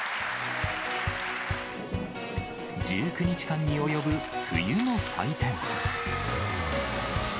１９日間に及ぶ冬の祭典。